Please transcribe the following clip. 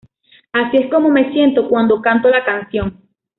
Así es cómo me siento cuando canto la canción.